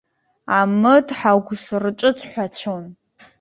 Амыҭҳагәыс рҿыҵҳәацәон!